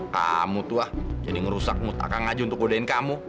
kamu tuh ah jadi ngerusak mutakang aja untuk godain kamu